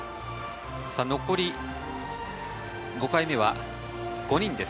残り５回目は５人です。